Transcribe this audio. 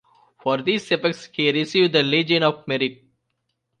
For these efforts he received the Legion of Merit.